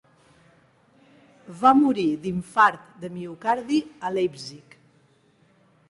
Va morir d'infart de miocardi a Leipzig.